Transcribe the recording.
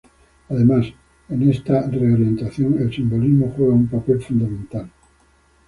Además, en esta re orientación, el simbolismo juega un papel fundamental.